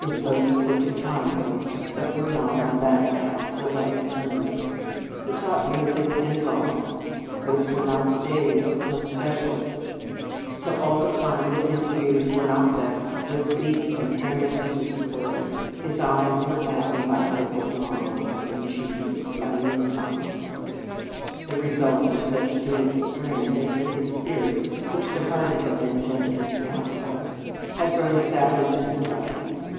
His oaths were Teutonic oaths, but were not, on that account, the less thunderous. He taught music and drawing, those were not the days 241 In Our Convent Days of specialists, so all the time that his ears were not vexed with weak and tremulous discords, his eyes were maddened by crippled lines, and sheets of smutty incompetence. The result of such dual strain was that his spirit, which could hardly have been gentle at the outset, had grown savage as a Tartar s.